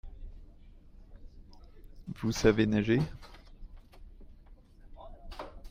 Vous savez nager ?